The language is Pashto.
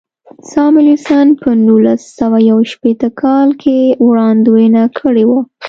ساموېلسن په نولس سوه یو شپېته کال کې وړاندوینه کړې وه.